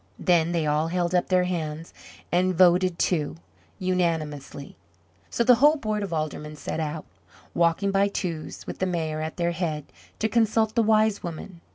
Then they all held up their hands, and voted to, unanimously. So the whole board of Aldermen set out, walking by twos, with the Mayor at their head, to consult the Wise Woman.